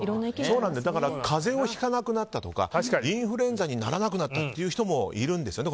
風邪をひかなくなったとかインフルエンザにならなくなったという人もいるんですよね。